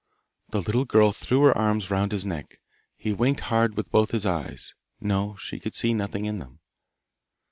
The little girl threw her arms round his neck; he winked hard with both his eyes; no, she could see nothing in them.